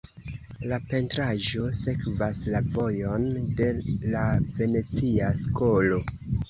La pentraĵo sekvas la vojon de la venecia skolo.